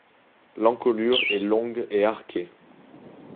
L'encolure est longue et arquée.